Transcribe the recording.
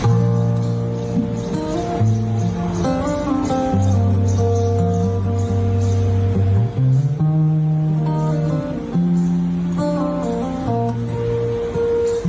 ก็ไม่รู้ว่าพ่อกันจะยังได้ยินอยู่ไหมนะครับ